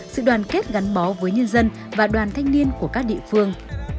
sự đoàn kết gắn bó với nhân dân và đoàn thanh niên của các địa phương